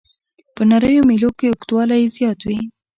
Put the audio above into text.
په نریو میلو کې اوږدوالی یې زیات وي.